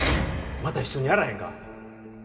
また一緒にやらへんか？